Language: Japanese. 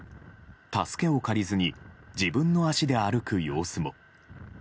助けを借りずに自分の足で歩く様子も。